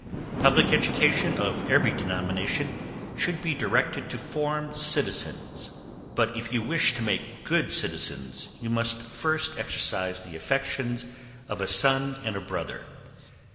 Public education, of every denomination, should be directed to form citizens; but if you wish to make good citizens, you must first exercise the affections of a son and a brother.